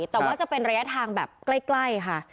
แต่ว่าจะเป็นระยะทางแบบใกล้ค่ะ